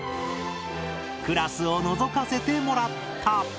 クラスをのぞかせてもらった。